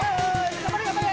頑張れ頑張れ。